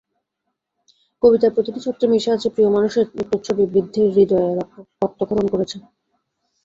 কবিতার প্রতিটি ছত্রে মিশে আছে প্রিয় মানুষের মৃত্যুর ছবি—বৃদ্ধের হূদয়ে রক্তক্ষরণ করছে।